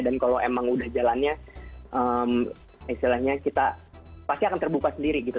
dan kalau emang udah jalannya istilahnya kita pasti akan terbuka sendiri gitu